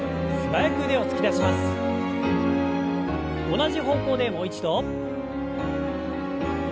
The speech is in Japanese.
同じ方向でもう一度。